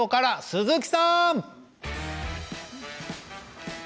鈴木さん！